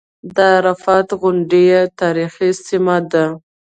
د عرفات غونډۍ تاریخي سیمه ده.